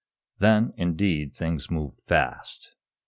Then, indeed, things moved fast.